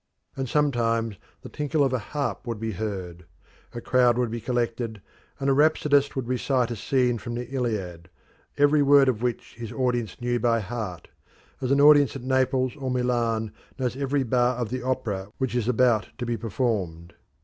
And sometimes the tinkle of a harp would be heard; a crowd would be collected, and a rhapsodist would recite a scene from the Iliad, every word of which his audience knew by heart, as an audience at Naples or Milan knows every bar of the opera which is about to be performed.